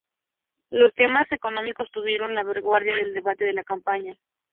Los temas económicos estuvieron a la vanguardia del debate de la campaña.